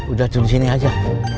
udah di sini aja